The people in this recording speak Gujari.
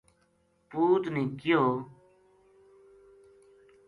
پوت نے کہیو